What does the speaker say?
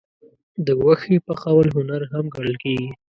د غوښې پخول هنر هم ګڼل کېږي.